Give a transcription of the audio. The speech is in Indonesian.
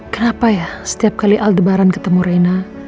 kenapa ya setiap aldebaran ketemu reina